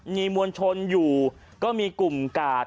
มีมวลชนอยู่ก็มีกลุ่มกาด